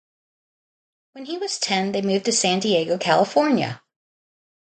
When he was ten, they moved to San Diego, California.